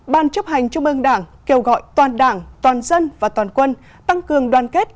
bốn ban chấp hành trung ương đảng kêu gọi toàn đảng toàn dân và toàn quân tăng cường đoàn kết